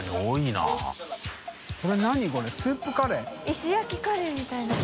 石焼きカレーみたいな。